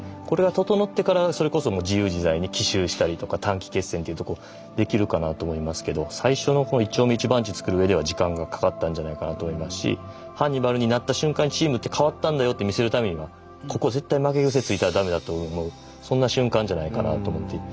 これが整ってからそれこそ自由自在に奇襲したりとか短期決戦っていうことできるかなと思いますけど最初の一丁目一番地作るうえでは時間がかかったんじゃないかなと思いますしハンニバルになった瞬間にチームって変わったんだよって見せるためにはここ絶対負けグセついたらダメだと思うそんな瞬間じゃないかなと思って。